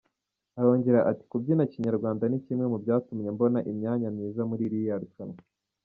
Arongera ati “Kubyina Kinyarwanda ni kimwe mu byatumye mbona imyanya myiza muri ririya rushanwa”.